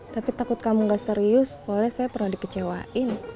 tapi takut kamu gak serius soalnya saya pernah dikecewain